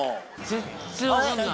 全然分かんない。